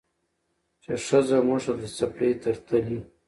چې ښځه موږ ته د څپلۍ تر تلي